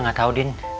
apa gak tau din